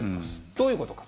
どういうことか。